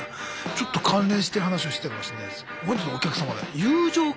ちょっと関連してる話をしてたかもしれないです。